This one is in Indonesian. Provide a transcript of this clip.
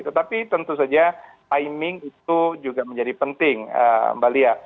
tetapi tentu saja timing itu juga menjadi penting mbak lia